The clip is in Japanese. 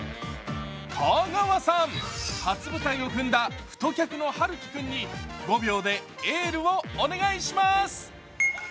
香川さん、初舞台を踏んだ太客の陽喜君に５秒でエールをお願いします。